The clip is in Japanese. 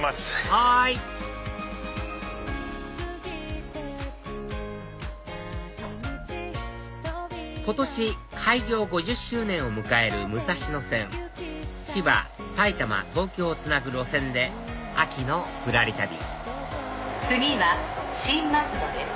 はい今年開業５０周年を迎える武蔵野線千葉埼玉東京をつなぐ路線で秋のぶらり旅次は新松戸です。